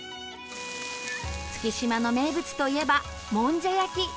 月島の名物といえばもんじゃ焼き。